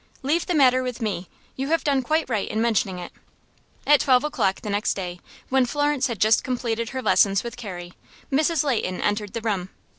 "Leave the matter with me. You have done quite right in mentioning it." At twelve o'clock the next day, when Florence had just completed her lessons with Carrie, Mrs. Leighton entered the room.